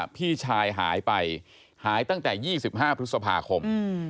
พี่ชายหายไปหายตั้งแต่๒๕พฤษภาคม